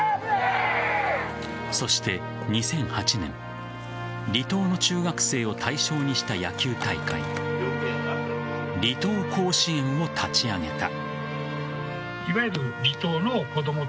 そして、２００８年離島の中学生を対象にした野球大会離島甲子園を立ち上げた。